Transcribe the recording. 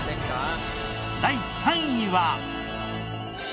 第３位は。